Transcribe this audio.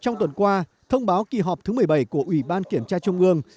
trong tuần qua thông báo kỳ họp thứ một mươi bảy của ủy ban kiểm tra trung ương